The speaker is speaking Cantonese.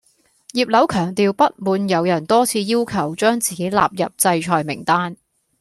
葉劉強調不滿有人多次要求將自己納入制裁名單